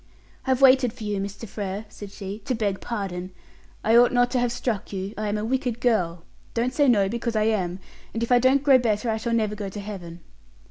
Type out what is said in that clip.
"I've waited for you, Mr. Frere," said she, "to beg pardon. I ought not to have struck you; I am a wicked girl. Don't say no, because I am; and if I don't grow better I shall never go to Heaven."